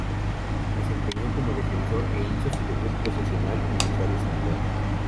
Se desempeñó como defensor e hizo su debut profesional en Rosario Central.